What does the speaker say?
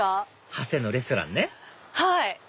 長谷のレストランねはい。